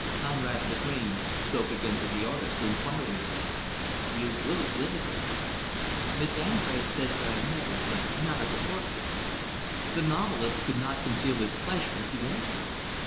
Conrad Lagrange spoke again to the artist, inquiringly; "You will exhibit it?" "Miss Andrés says that I may but not as a portrait." The novelist could not conceal his pleasure at the answer.